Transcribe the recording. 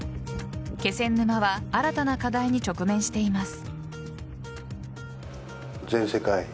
気仙沼は新たな課題に直面しています。